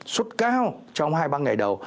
suốt cao trong hai ba ngày đầu